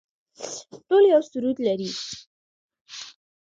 ټول یو سرود لري